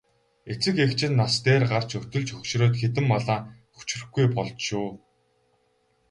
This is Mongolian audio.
Эцэг эх чинь нас дээр гарч өтөлж хөгшрөөд хэдэн малаа хүчрэхгүй болж шүү.